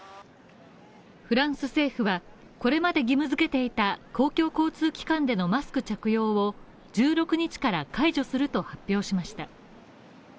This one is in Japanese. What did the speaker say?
フランス政府はこれまで義務付けていた公共交通機関でのマスク着用を１６日から解除すると発表しました。